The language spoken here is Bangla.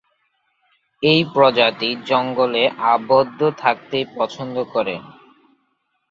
এই প্রজাতি জঙ্গলে আবদ্ধ থাকতেই পছন্দ করে।